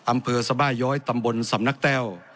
อำเภอสบาย้อยตำบลสำนักแต้ว